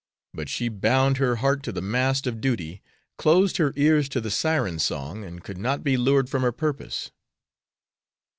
But she bound her heart to the mast of duty, closed her ears to the syren song, and could not be lured from her purpose."